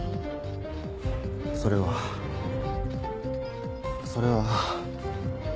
それはそれは。